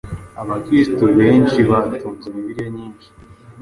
Abakristu benshi batunze Bibiliya nyinshi